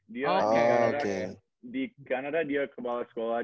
di kanada dia adalah kepala sekolah